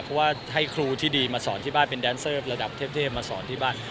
เพราะว่าให้ครูที่ดีมาสอนที่บ้านเป็นแดนเซอร์ระดับเทพมาสอนที่บ้าน